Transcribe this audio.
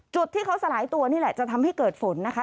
จุดที่เขาสลายตัวนี่แหละจะทำให้เกิดฝนนะคะ